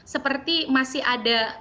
seperti masih ada